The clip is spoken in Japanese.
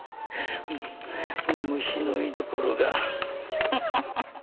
虫の居所がハハハハ。